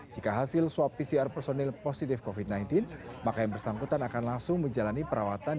jika hasil swab pcr personil positif covid sembilan belas maka yang bersangkutan akan langsung menjalani perawatan